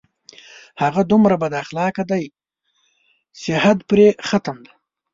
هغه دومره بد اخلاقه دی چې حد پرې ختم دی